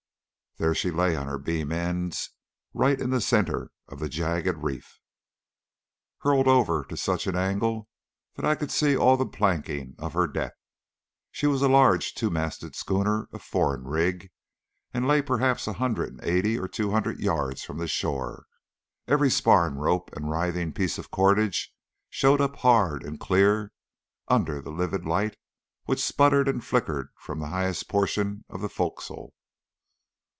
There she lay on her beam ends right in the centre of the jagged reef, hurled over to such an angle that I could see all the planking of her deck. She was a large two masted schooner, of foreign rig, and lay perhaps a hundred and eighty or two hundred yards from the shore. Every spar and rope and writhing piece of cordage showed up hard and clear under the livid light which sputtered and flickered from the highest portion of the forecastle.